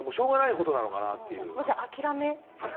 じゃあ、諦め？